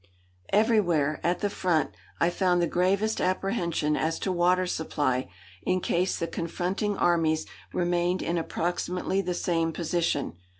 Everywhere, at the front, I found the gravest apprehension as to water supply in case the confronting armies remained in approximately the same position.